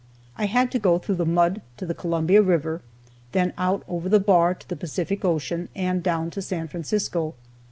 I had to go through the mud to the Columbia River, then out over the bar to the Pacific Ocean, and down to San Francisco.